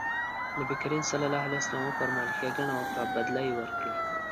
نبي کريم ص وفرمایل ښېګڼه وکړه بدله يې ورکړئ.